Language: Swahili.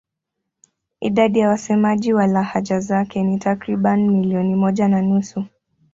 Idadi ya wasemaji wa lahaja zake ni takriban milioni moja na nusu.